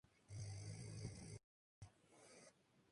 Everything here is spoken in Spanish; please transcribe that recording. Juega de mediocampista en San Luis de Quillota.